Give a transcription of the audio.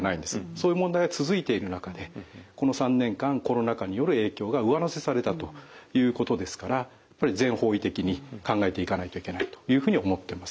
そういう問題が続いている中でこの３年間コロナ禍による影響が上乗せされたということですからやっぱり全方位的に考えていかないといけないというふうに思ってます。